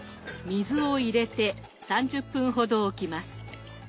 水を入れて３０分ほどおきます。